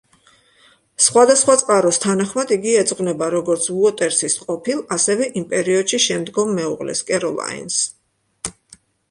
სხვადასხვა წყაროს თანახმად, იგი ეძღვნება როგორც უოტერსის ყოფილ, ასევე იმ პერიოდში შემდგომ მეუღლეს, კეროლაინს.